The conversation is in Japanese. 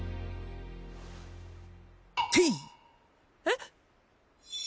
えっ？